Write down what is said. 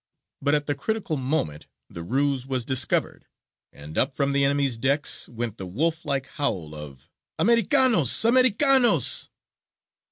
But at the critical moment the ruse was discovered, and up from the enemies' decks went the wolf like howl of "Americanos! Americanos!"